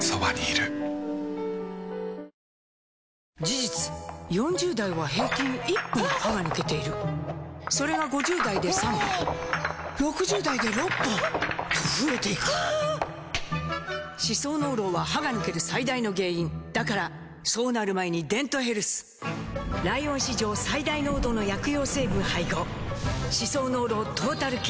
事実４０代は平均１本歯が抜けているそれが５０代で３本６０代で６本と増えていく歯槽膿漏は歯が抜ける最大の原因だからそうなる前に「デントヘルス」ライオン史上最大濃度の薬用成分配合歯槽膿漏トータルケア！